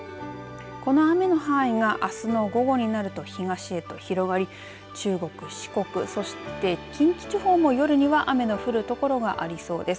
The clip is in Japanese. この雨の範囲があすの午後になると東へと広がり中国、四国そして近畿地方も夜には雨の降るところがありそうです。